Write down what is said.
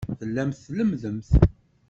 Tellamt tlemmdemt.